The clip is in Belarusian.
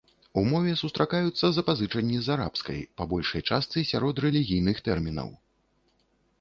У мове сустракаюцца запазычанні з арабскай, па большай частцы сярод рэлігійных тэрмінаў.